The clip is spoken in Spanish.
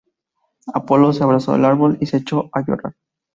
Apolo se abrazó al árbol y se echó a llorar.